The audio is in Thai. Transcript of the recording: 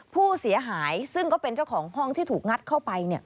ผู้เสียหายซึ่งก็เป็นเจ้าของห้องที่ถูกงัดเข้าไป